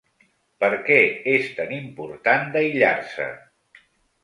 Per què és tan important d’aïllar-se?